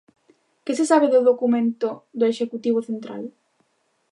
Que se sabe do documento do executivo central?